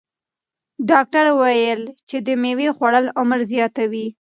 ډاکتر وویل چې د مېوې خوړل عمر زیاتوي.